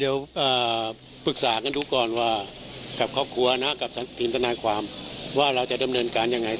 เดี๋ยวปรึกษากันดูก่อนว่ากับครอบครัวนะกับทีมทนายความว่าเราจะดำเนินการยังไง